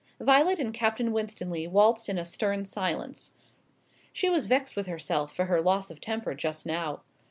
Violet and Captain Winstanley waltzed in a stern silence. She was vexed with herself for her loss of temper just now.